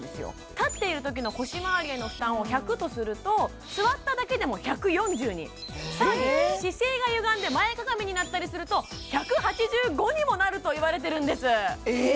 立っているときの腰まわりへの負担を１００とすると座っただけでも１４０に更に姿勢がゆがんで前かがみになったりすると１８５にもなるといわれてるんですえっ？